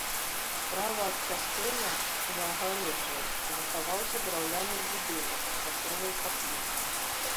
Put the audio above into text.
Справа ад касцёла, за агароджай, захаваўся драўляны будынак часовай капліцы.